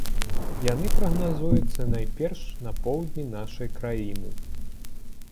Яны прагназуюцца найперш на поўдні нашай краіны.